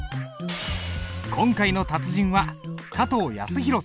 今回の達人は加藤泰弘先生。